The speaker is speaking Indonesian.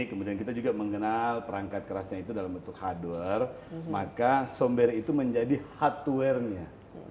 kemudian kita juga mengenal perangkat kerasnya itu dalam bentuk hardware maka sombere itu menjadi hardware nya